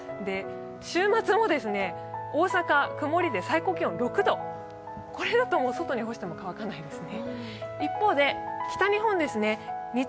週末も大阪曇りで最高気温６度、これだと外に出しても乾かないですね。